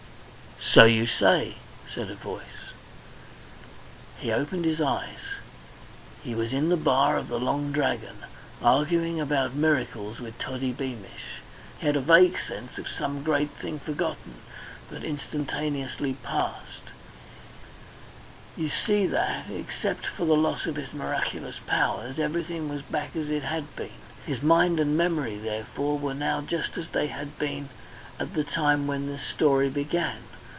"So you say," said a voice. He opened his eyes. He was in the bar of the Long Dragon, arguing about miracles with Toddy Beamish. He had a vague sense of some great thing forgotten that instantaneously passed. You see that, except for the loss of his miraculous powers, everything was back as it had been, his mind and memory therefore were now just as they had been at the time when this story began.